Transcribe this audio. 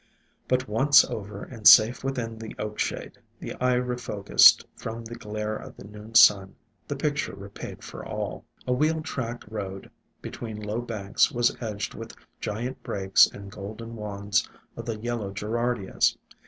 But once over and safe within the Oak shade, the eye refocused from the glare of the noon sun, the picture repaid for all. A wheel track road between low banks was edged with giant brakes and golden wands of the Yellow Gerardias.